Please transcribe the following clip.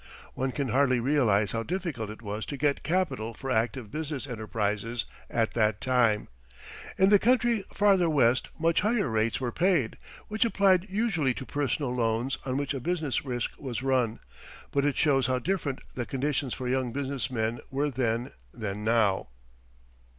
One can hardly realize how difficult it was to get capital for active business enterprises at that time. In the country farther west much higher rates were paid, which applied usually to personal loans on which a business risk was run, but it shows how different the conditions for young business men were then than now.